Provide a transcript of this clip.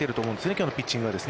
きょうのピッチングは。